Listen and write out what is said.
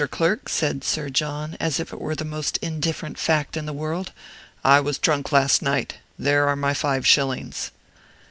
Clerk," said Sir John, as if it were the most indifferent fact in the world, "I was drunk last night. There are my five shillings."